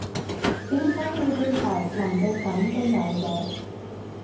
點解你對鞋爛到噉都有嘅？